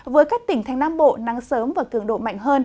với các tỉnh thành nam bộ nắng sớm và cường độ mạnh hơn